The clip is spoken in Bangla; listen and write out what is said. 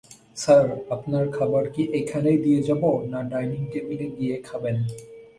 স্যার, আপনার খাবার কি এইখানে দিয়ে যাব, না ডাইনিং টেবিলে গিয়ে খবেন?